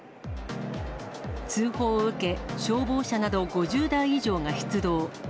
通報を受け、消防車など５０台以上が出動。